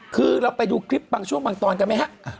คือเราไปดูคลิปบางช่วงบางตอนกันไหมฮะ